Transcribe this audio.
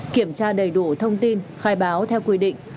kiểm tra đầy đủ thông tin khai báo theo quy định